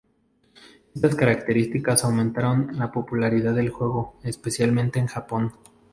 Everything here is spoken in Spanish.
Estas características aumentaron la popularidad del juego, especialmente en Japón.